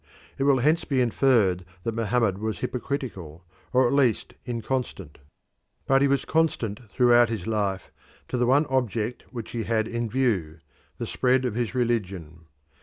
It will hence be inferred that Mohammed was hypocritical, or at least inconstant. But he was constant throughout his life to the one object which he had in view the spread of his religion.